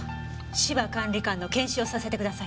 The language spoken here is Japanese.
芝管理官の検視をさせてください。